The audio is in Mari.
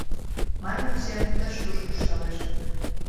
— Маймыл семын тыш-туш куржталеш.